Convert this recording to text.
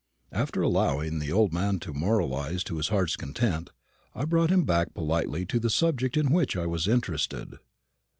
After allowing the old man to moralise to his heart's content, I brought him back politely to the subject in which I was interested.